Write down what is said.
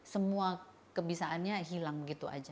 semua kebisaannya hilang begitu saja